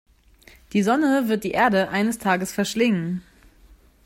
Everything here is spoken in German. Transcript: Die Sonne wird die Erde eines Tages verschlingen.